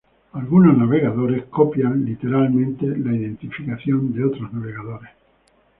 Algunos navegadores copian literalmente la identificación de otros navegadores.